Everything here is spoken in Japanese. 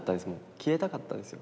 消えたかったですよ